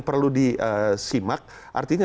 perlu disimak artinya